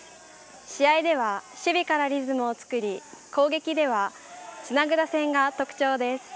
試合では守備からリズムを作り攻撃ではつなぐ打線が特徴です。